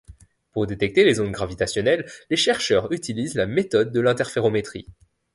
Pour détecter les ondes gravitationnelles, les chercheurs utilisent la méthode de l'interférométrie.